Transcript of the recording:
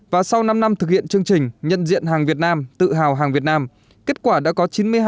và sau năm năm thực hiện chương trình nhận diện hàng việt nam tự hào hàng việt nam kết quả đã có chín mươi hai